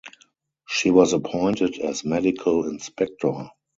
She was appointed as medical inspector.